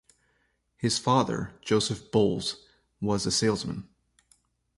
His father, Joseph Bolz, was a salesman.